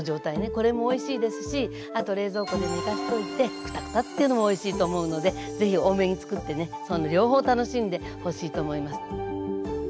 これもおいしいですしあと冷蔵庫で寝かしといてクタクタッていうのもおいしいと思うので是非多めにつくってねその両方楽しんでほしいと思います。